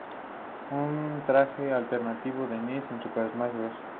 Un traje alternativo de Ness en Super Smash Bros.